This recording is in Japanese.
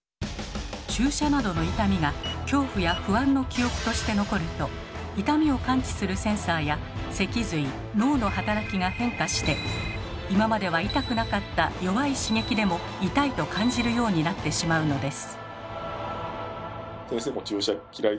注射などの痛みが恐怖や不安の記憶として残ると痛みを感知するセンサーや脊髄脳の働きが変化して今までは痛くなかった弱い刺激でも痛いと感じるようになってしまうのです。